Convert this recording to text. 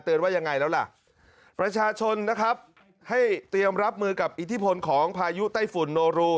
ว่ายังไงแล้วล่ะประชาชนนะครับให้เตรียมรับมือกับอิทธิพลของพายุไต้ฝุ่นโนรู